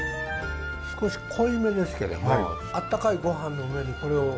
少し濃いめですけども温かいごはんの上にこれをかけて。